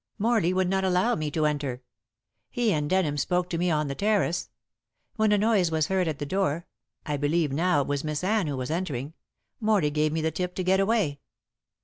Morley would not allow me to enter. He and Denham spoke to me on the terrace. When a noise was heard at the door I believe now it was Miss Anne who was entering Morley gave me the tip to get away."